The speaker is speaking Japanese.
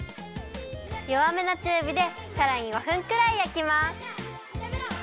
よわめのちゅうびでさらに５分くらいやきます。